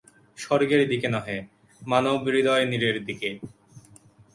স্বর্গের দিকে নহে, মানবহৃদয়নীড়ের দিকে।